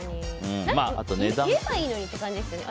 言えばいいのにって感じですよね。